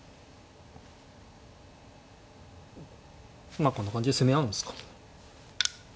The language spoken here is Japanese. まあこんな感じで攻め合うんですか。